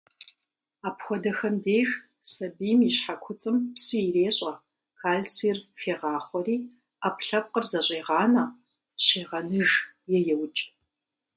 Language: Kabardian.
Апхуэдэхэм деж сабийм и щхьэкуцӏым псы ирещӏэ, кальцийр хегъахъуэри, ӏэпкълъэпкъыр зэщӏегъанэ, щегъэныж е еукӏ.